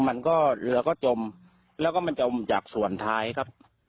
มันก็เรือก็จมแล้วก็มันจมจากส่วนท้ายครับ